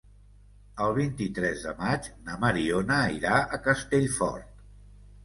El vint-i-tres de maig na Mariona irà a Castellfort.